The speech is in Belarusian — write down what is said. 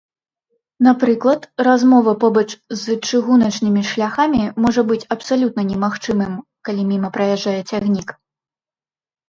Напрыклад, размова побач з чыгуначнымі шляхамі можа быць абсалютна немагчымым, калі міма праязджае цягнік.